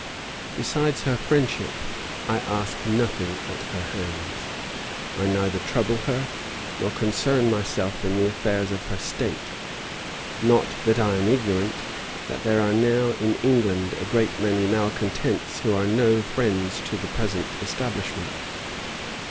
Besides her friendship, I ask nothing at her hands: I neither trouble her, nor concern myself in the affairs of her state: not that I am ignorant, that there are now in England a great many malecontents, who are no friends to the present establishment.